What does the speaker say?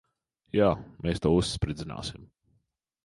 Jā. Mēs to uzspridzināsim.